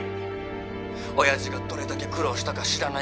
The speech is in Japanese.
親父がどれだけ苦労したか知らないくせに。